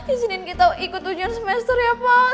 kesini kita ikut ujian semester ya pak